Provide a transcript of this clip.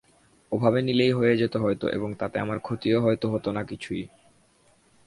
ওভাবে নিলেই হয়ে যেত হয়তো এবং তাতে আমার ক্ষতিও হয়তো হত না কিছুই।